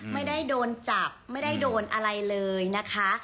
ไม่ได้โดนจับไม่ได้โดนอะไรเลยนะคะ